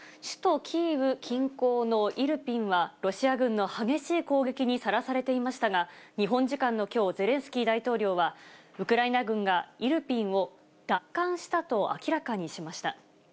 首都キーウ近郊のイルピンは、ロシア軍の激しい攻撃にさらされていましたが、日本時間のきょう、ゼレンスキー大統領は、ウクライナ軍がイルピンを奪還したと明らかにしました。